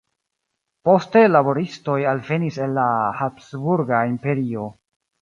Poste laboristoj alvenis el la Habsburga Imperio.